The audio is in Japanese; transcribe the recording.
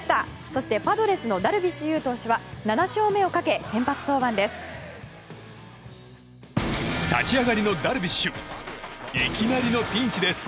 そして、パドレスのダルビッシュ有投手は７勝目をかけ、先発登板です。